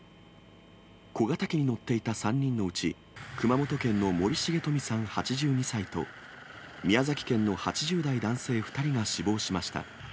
小型機に乗っていた３人のうち、熊本県の森繁富さん８２歳と、宮崎県の８０代男性２人が死亡しました。